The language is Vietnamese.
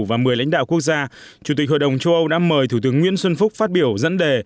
và một mươi lãnh đạo quốc gia chủ tịch hội đồng châu âu đã mời thủ tướng nguyễn xuân phúc phát biểu dẫn đề